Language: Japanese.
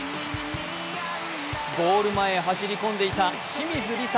ゴール前へ走り込んでいた清水梨紗。